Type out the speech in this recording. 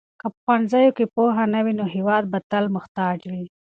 که په ښوونځیو کې پوهه نه وي نو هېواد به تل محتاج وي.